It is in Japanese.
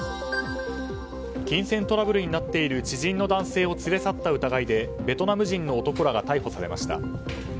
金銭トラブルになっている知人の男性を連れ去った疑いでベトナム人の男らが逮捕されました。